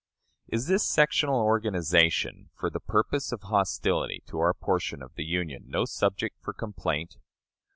Is this sectional organization, for the purpose of hostility to our portion of the Union, no subject for complaint?